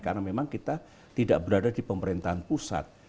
karena memang kita tidak berada di pemerintahan pusat